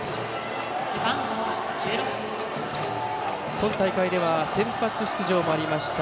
今大会では先発出場もありました